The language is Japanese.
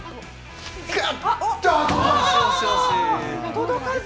届かず。